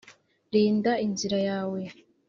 Rinda inzira yawe